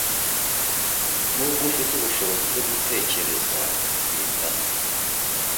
Nubwo ufite ubushobozi bwo gutekereza Bingana